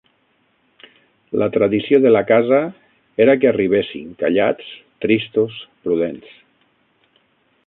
La tradició de la casa era que arribessin, callats, tristos, prudents